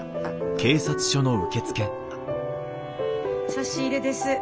差し入れです。